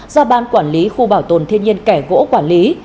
do ban quản lý khu bảo tồn thiên nhiên kẻ gỗ quản lý